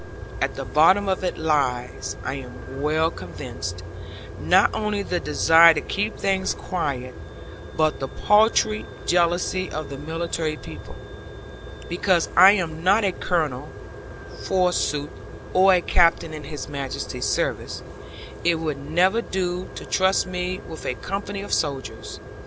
At the bottom of it lies (I am well convinced) not only the desire to keep things quiet, but the paltry jealousy of the military people. Because I am not a Colonel, forsooth, or a Captain in His Majesty's service, it would never do to trust me with a company of soldiers!